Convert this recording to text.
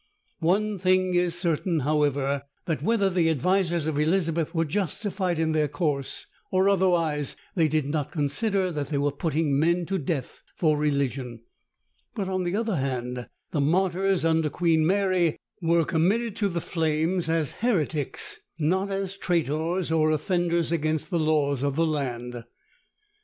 One thing is certain, however, that, whether the advisers of Elizabeth were justified in their course or otherwise, they did not consider that they were putting men to death for religion: but, on the other hand, the martyrs under Queen Mary were committed to the flames as heretics, not as traitors or offenders against the laws of the land.